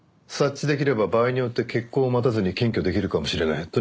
察知できれば場合によって決行を待たずに検挙できるかもしれない。